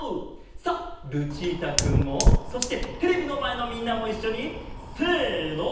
さあルチータくんもそしてテレビのまえのみんなもいっしょにせの。